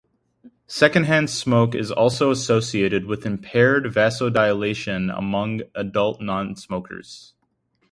Second-hand smoke is also associated with impaired vasodilation among adult nonsmokers.